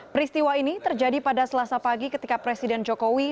peristiwa ini terjadi pada selasa pagi ketika presiden jokowi